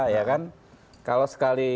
ya kan kalau sekali